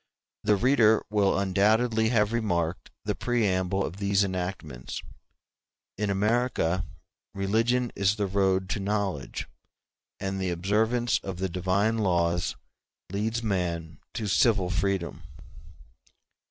The reader will undoubtedly have remarked the preamble of these enactments: in America religion is the road to knowledge, and the observance of the divine laws leads man to civil freedom.